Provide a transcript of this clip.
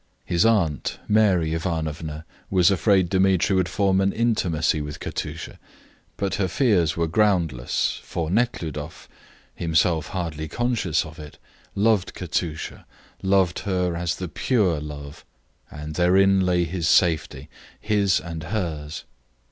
His aunt, Mary Ivanovna, was afraid Dmitri would form an intimacy with Katusha; but her fears were groundless, for Nekhludoff, himself hardly conscious of it, loved Katusha, loved her as the pure love, and therein lay his safety his and hers.